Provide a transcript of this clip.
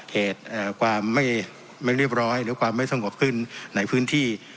เหตุความไม่เรียบร้อยหรือความไม่สงบขึ้นในพื้นที่